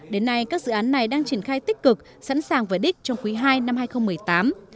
đến nay các dự án này đang triển khai tích cực sẵn sàng và đích trong quý ii năm hai nghìn một mươi tám